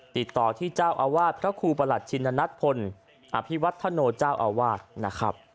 ติดต่อที่เจ้าอาวาสพระครูประหลัดชินนัทพลอภิวัฒโนเจ้าอาวาสนะครับ